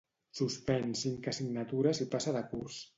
Suspèn cinc assignatures i passa de curs